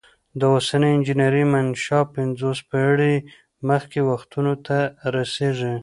د اوسنۍ انجنیری منشا پنځوس پیړۍ مخکې وختونو ته رسیږي.